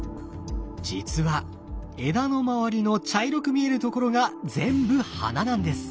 実は枝の周りの茶色く見えるところが全部花なんです。